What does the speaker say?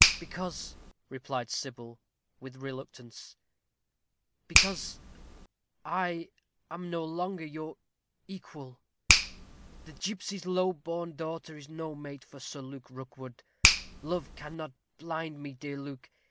"Because," replied Sybil, with reluctance "because I am no longer your equal. The gipsy's low born daughter is no mate for Sir Luke Rookwood. Love cannot blind me, dear Luke.